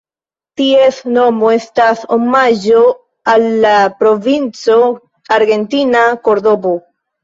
Ties nomo estas omaĝo al la provinco argentina Kordobo.